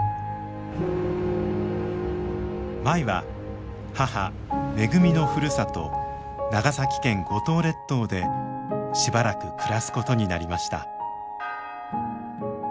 舞は母めぐみのふるさと長崎県五島列島でしばらく暮らすことになりました。